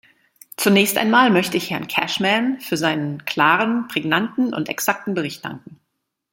Zunächst einmal möchte ich Herrn Cashman für seinen klaren, prägnanten und exakten Bericht danken.